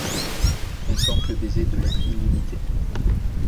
Qu’on sente le baiser de l’être illimité!